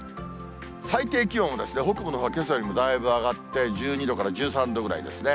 最低気温は北部のほうはけさよりもだいぶ上がって、１２度から１３度ぐらいですね。